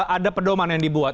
ada pedoman yang dibuat